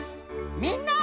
みんな！